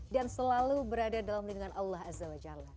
dan selalu berada dalam lingkungan allah azza wa jalla